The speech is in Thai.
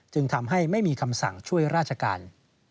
จึงทำให้ไม่มีคำสั่งช่วยราชการ